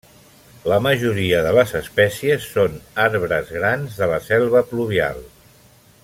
La majoria de les espècies són arbres grans de la selva pluvial.